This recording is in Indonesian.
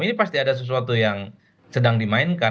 ini pasti ada sesuatu yang sedang dimainkan